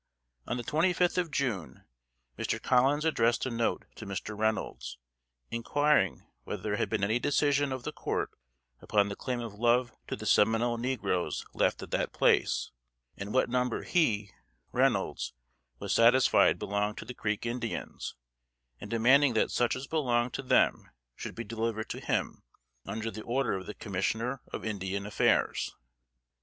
On the twenty fifth of June, Mr. Collins addressed a note to Mr. Reynolds, inquiring whether there had been any decision of the court upon the claim of Love to the Seminole negroes left at that place; and what number he (Reynolds) was satisfied belonged to the Creek Indians; and demanding that such as belonged to them should be delivered to him, under the order of the Commissioner of "Indian Affairs."